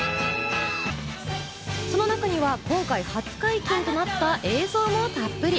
その中には今回、初解禁となった映像もたっぷり。